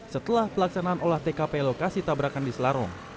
setelah pelaksanaan olah tkp lokasi tabrakan di selarong